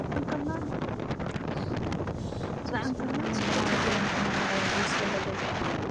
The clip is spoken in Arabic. حان الوقت لانضمامك إلى مجتمعنا على الفيسبوك وتويتر وانستغرام